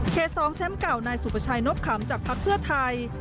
เคส๒แชมป์เก่านายสุพชัยนบขำจากพักเพื่อไทย